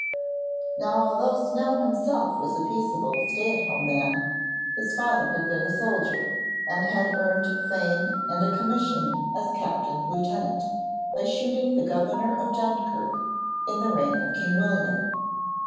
Now although Snell himself was a peaceable, stay at home man, his father had been a soldier, and had earned fame and a commission as captain lieutenant, by shooting the Governor of Dunkirk in the reign of King William.